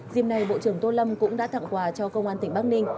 dìm này bộ trưởng tô lâm cũng đã thẳng quà cho công an tỉnh bắc ninh